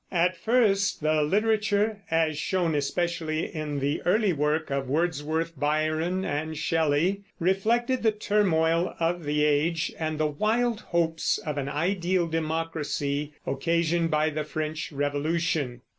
At first the literature, as shown especially in the early work of Wordsworth, Byron, and Shelley, reflected the turmoil of the age and the wild hopes of an ideal democracy occasioned by the French Revolution.